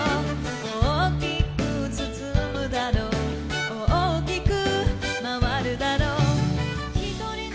「大きくつつむだろう大きくまわるだろう」